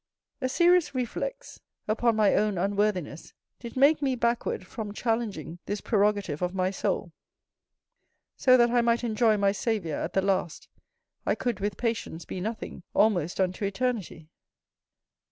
A serious reflex upon my own unworthiness did make me backward from challenging this prerogative of my soul: so that I might enjoy my Saviour at the last, I could with patience be nothing almost unto eternity.